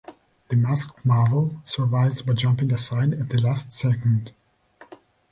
The Masked Marvel survives by jumping aside at the last second.